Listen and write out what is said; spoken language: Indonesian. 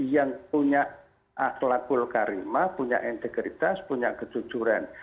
yang punya akhlakul karima punya integritas punya kejujuran